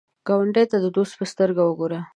ګاونډي ته د دوست په سترګه وګوره